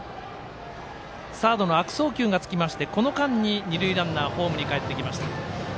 サードの悪送球がつきましてこの間に二塁ランナーホームにかえってきました。